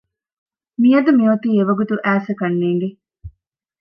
މިއަދު މިއޮތީ އެވަގުތު އައިއްސަ ކަންނޭނގެ